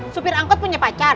supir angkot punya pacar